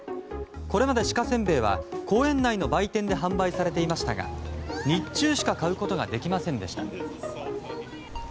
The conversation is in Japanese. これまで鹿せんべいは公園内の売店で販売されていましたが日中しか買うことができませんでした。